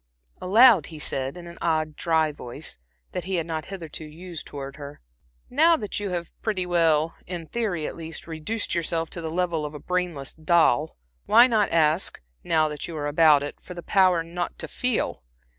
Aloud he said, in an odd, dry voice that he had not hitherto used towards her, "Now that you have pretty well in theory at least, reduced yourself to the level of a brainless doll, why not ask, now that you are about it, for the power not to feel?